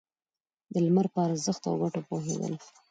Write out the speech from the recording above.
د لمر په ارزښت او گټو پوهېدل.